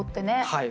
はい。